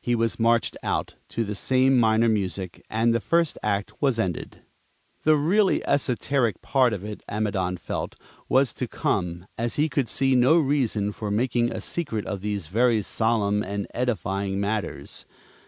He was marched out, to the same minor music, and the first act was ended. The really esoteric part of it, Amidon felt, was to come, as he could see no reason for making a secret of these very solemn and edifying matters.